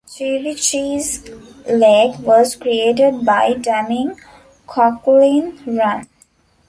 Chevy Chase Lake was created by damming Coquelin Run.